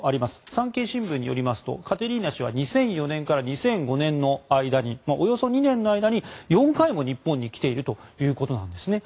産経新聞によりますとカテリーナ氏は２００４年から２００５年の間およそ２年の間に４回も日本に来ているということなんですね。